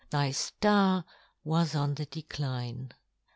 Thy ftarwas on the decline.